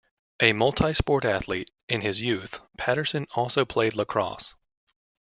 A multi-sport athlete in his youth, Patterson also played lacrosse.